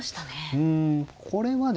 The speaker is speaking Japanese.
うんこれはですね